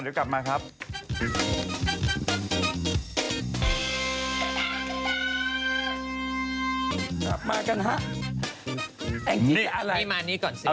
นี่เฮ็ดมีของใหม่มานำเสนอค่ะบนโต๊ะเลย